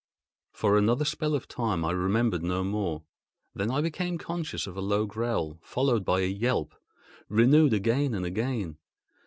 For another spell of time I remembered no more. Then I became conscious of a low growl, followed by a yelp, renewed again and again.